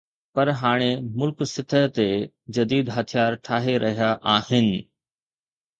پر هاڻي ملڪ سطح تي جديد هٿيار ٺاهي رهيا آهن